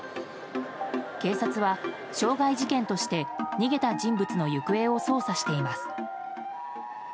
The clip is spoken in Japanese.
警察は傷害事件として逃げた人物の行方を捜査しています。